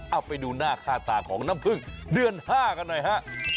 เอาไปดูหน้าค่าตาของน้ำพึ่งเดือน๕กันหน่อยฮะ